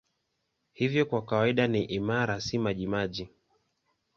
Hivyo kwa kawaida ni imara, si majimaji.